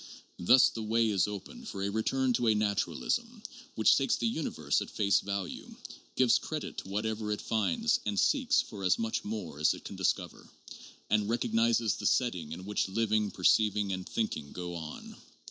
Thus the way is opened for a return to a naturalism which takes the universe at face value, gives credit to whatever it finds TRUTH A8 CORRESPONDENCE 181 and seeks for as much more as it can discover, and recognizes the setting in which living, perceiving, and thinking go on.